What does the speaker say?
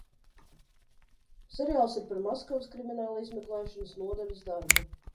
Seriāls ir par Maskavas kriminālizmeklēšanas nodaļas darbu.